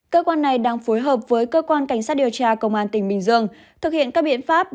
cơ quan này đang phối hợp với cơ quan cảnh sát điều tra công an tỉnh bình dương thực hiện các biện pháp